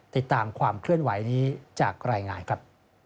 ติดตามความเคลื่อนไหวนี้จากรายงานครับ